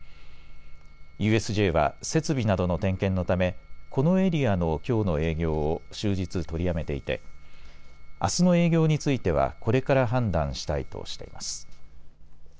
ＵＳＪは設備などの点検のためこのエリアのきょうの営業を終日取りやめていてあすの営業についてはこれから判断したいとしています。